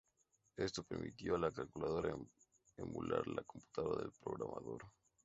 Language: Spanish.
Esto permitió a la calculadora emular la computadora del programador.